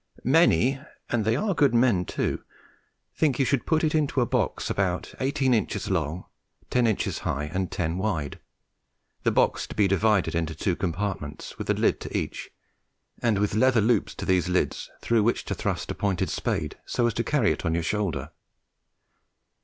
Many (and they are good men too) think you should put it into a box about eighteen inches long, ten inches high, and ten wide; the box to be divided into two compartments, with a lid to each, and with leather loops to these lids through which to thrust a pointed spade so as to carry it on your shoulder.